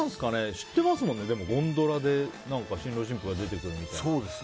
知ってますもんね、ゴンドラで新郎新婦が出てくるみたいな。